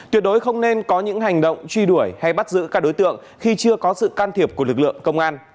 tuyệt đối không nên có những hành động truy đuổi hay bắt giữ các đối tượng khi chưa có sự can thiệp của lực lượng công an